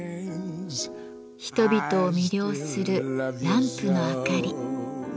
人々を魅了するランプのあかり。